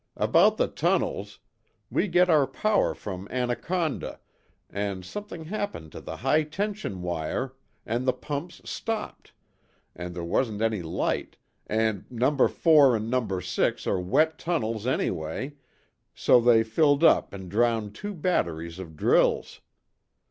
About the tunnels we get our power from Anaconda, and something happened to the high tension wire, and the pumps stopped, and there wasn't any light, and Number Four and Number Six are wet tunnels anyway so they filled up and drowned two batteries of drills.